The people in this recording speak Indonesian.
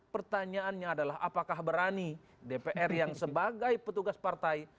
pertanyaannya adalah apakah berani dpr yang sebagai petugas partai